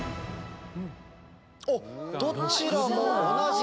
おっどちらも同じ。